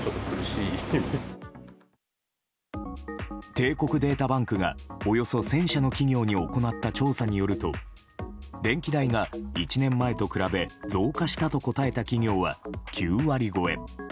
帝国データバンクがおよそ１０００社の企業に行った調査によると電気代が１年前と比べ増加したと答えた企業は９割超え。